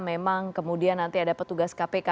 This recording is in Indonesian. memang kemudian nanti ada petugas kpk